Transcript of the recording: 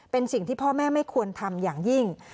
เป็นสิ่งที่พ่อแม่ไม่ควรทำอย่างยิ่ง